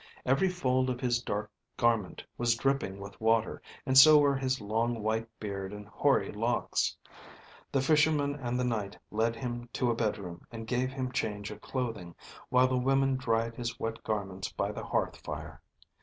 Every fold of his dark garment was dripping with water, and so were his long white beard and hoary locks. The Fisherman and the Knight led him to a bedroom, and gave him change of clothing, while the women dried his wet garments by the hearth fire.